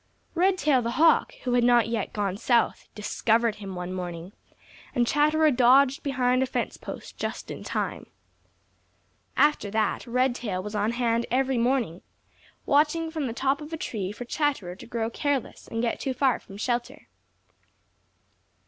Redtail the Hawk, who had not yet gone South, discovered him one morning, and Chatterer dodged behind a fence post just in time. After that, Redtail was on hand every morning, watching from the top of a tree for Chatterer to grow careless and get too far from shelter.